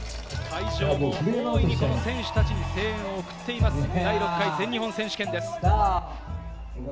会場も大いに選手たちに声援を送っています、第６回全日本選手権です。